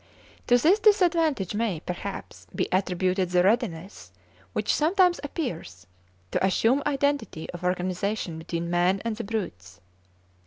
To this disadvantage may, perhaps, be attributed the readiness, which sometimes appears, to assume identity of organization between man and the brutes.